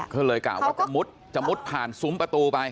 คือเลยกล่าวว่าจะหมดผ่านซุ้มประตูไป